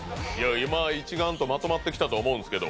今、一丸とまとまってきたと思うんですけど。